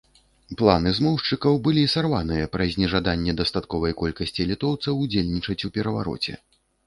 Планы змоўшчыкаў былі сарваныя праз нежаданне дастатковай колькасці літоўцаў удзельнічаць у перавароце.